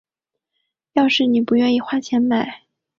要是妳不愿意花钱买